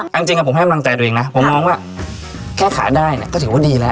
ค่ะอันจริงอ่ะผมแค่มั่งใจดูเองนะค่ะผมมองว่าแค่ขายได้เนี้ยก็ถือว่าดีแล้ว